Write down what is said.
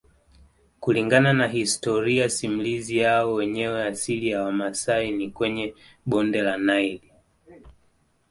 Kulingana na historia simulizi yao wenyewe asili ya Wamasai ni kwenye bonde la Nile